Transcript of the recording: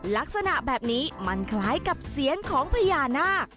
ลักษณะแบบนี้มันคล้ายกับเสียงของพญานาค